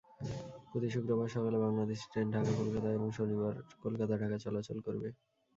প্রতি শুক্রবার সকালে বাংলাদেশি ট্রেন ঢাকা-কলকাতা এবং শনিবার কলকাতা-ঢাকা চলাচল করবে।